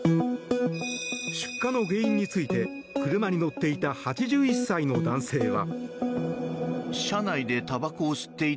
出火の原因について車に乗っていた８１歳の男性は。